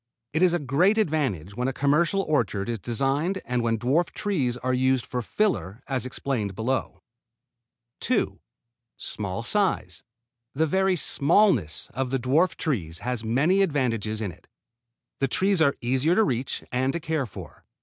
It is a great advantage when a commercial orchard is designed and when dwarf trees are used for fillers as explained below. 2. Small size. The very smallness of the dwarf trees has many advantages in it. The trees are easier to reach and to care for.